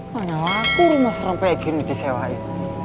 mana lagi rumah serem kayak gini disewain